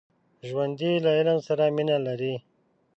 ژوندي له علم سره مینه لري